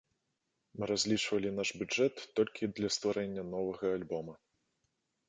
Мы разлічвалі наш бюджэт толькі для стварэння новага альбома.